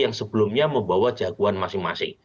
yang sebelumnya membawa jagoan masing masing